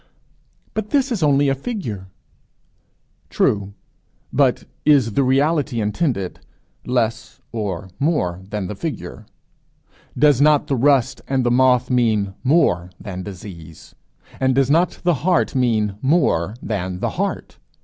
"But this is only a figure." True. But is the reality intended, less or more than the figure? Does not the rust and the moth mean more than disease? And does not the heart mean more than the heart?